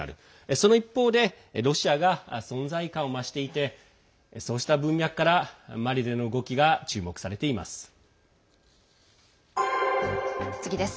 その一方でロシアが存在感を増していてそうした文脈からマリでの動きが注目されています。